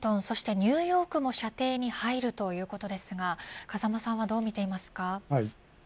そしてニューヨークも射程に入るということですが風間さんはどうみていますか。